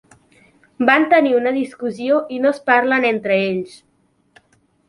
Van tenir una discussió i no es parlen entre ells.